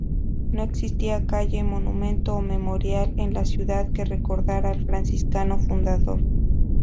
No existía calle, monumento o memorial en la ciudad que recordara al franciscano fundador.